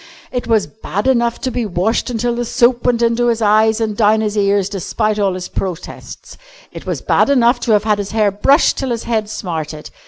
It was bad enough to be washed till the soap went into his eyes and down his ears despite all his protests. It was bad enough to have had his hair brushed till his head smarted.